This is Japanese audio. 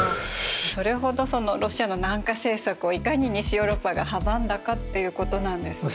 それほどロシアの南下政策をいかに西ヨーロッパが阻んだかということなんですね。